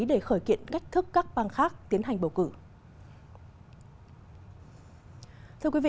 để khởi kiện cách thức các bang khác tiến hành bầu cử